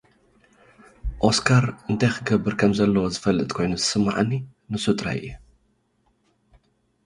ኦስካር፡ እንታይ ኽገብር ከምዘለዎ ዝፈልጥ ኮይኑ ዝስምዓኒ ንሱ ጥራይ እዩ።